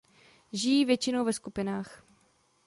Žijí většinou ve skupinách.